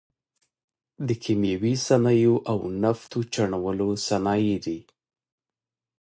د کیمیاوي صنایعو او نفتو چاڼولو صنایع دي.